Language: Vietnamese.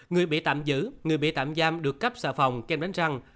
nếu bị tạm giữ người bị tạm giam được cắp xà phòng kem đánh răng